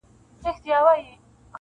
شپونکی چي نه سي ږغولای له شپېلۍ سندري-